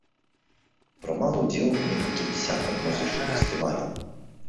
Прымаў удзел у некалькіх дзясятках музычных фестываляў.